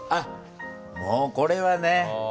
もうこれはね